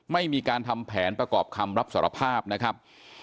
ไม่มีการทำแผนประกอบคำรับสารภาพนะครับ